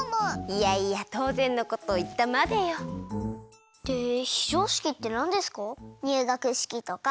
いやいやとうぜんのことをいったまでよ。ってひじょうしきってなんですか？